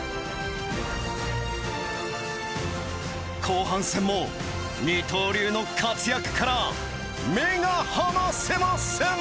後半戦も二刀流の活躍から目が離せません！